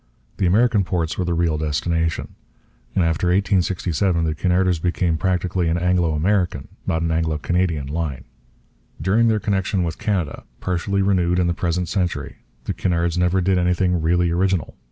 The American ports were the real destination. And after 1867 the Cunarders became practically an Anglo American, not an Anglo Canadian, line. During their connection with Canada, partially renewed in the present century, the Cunards never did anything really original.